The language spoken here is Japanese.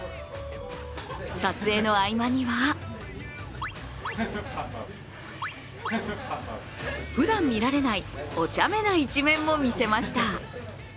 撮影の合間にはふだん見られないおちゃめな一面も見せました。